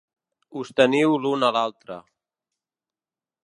Us teniu l'un a l'altre.